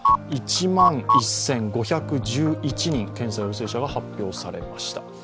１万１５１１人、検査陽性者が発表されました。